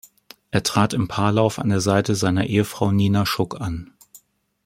Er trat im Paarlauf an der Seite seiner Ehefrau Nina Schuk an.